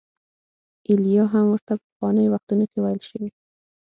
ایلیا هم ورته په پخوانیو وختونو کې ویل شوي.